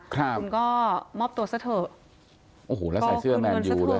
ครับคุณก็มอบตัวซะเถอะโอ้โหแล้วใส่เสื้อแมนยูเลย